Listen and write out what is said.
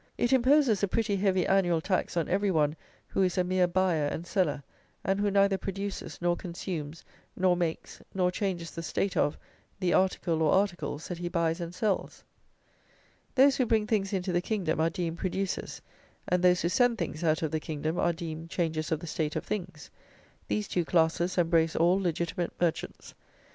It imposes a pretty heavy annual tax on every one who is a mere buyer and seller, and who neither produces nor consumes, nor makes, nor changes the state of, the article, or articles, that he buys and sells. Those who bring things into the kingdom are deemed producers, and those who send things out of the kingdom are deemed changers of the state of things. These two classes embrace all legitimate merchants.